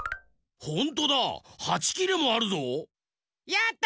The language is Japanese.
やった！